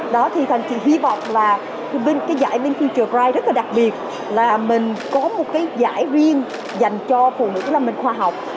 đó thì thành chị hy vọng là cái giải vinfuture pride rất là đặc biệt là mình có một cái giải riêng dành cho phụ nữ làm mệnh khoa học